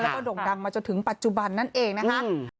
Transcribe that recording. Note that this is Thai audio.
แล้วก็โด่งดังมาจนถึงปัจจุบันนั่นเองนะคะ